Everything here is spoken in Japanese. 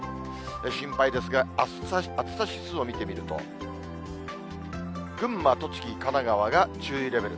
心配ですが、暑さ指数を見てみると、群馬、栃木、神奈川が注意レベル。